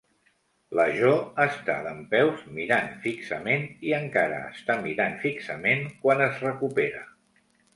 La Jo està dempeus mirant fixament i encara està mirant fixament quan es recupera.